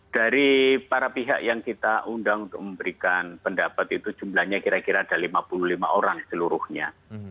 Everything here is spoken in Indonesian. dari para pihak yang kita undang untuk memberikan pendapat itu jumlahnya kira kira ada lima puluh lima orang seluruhnya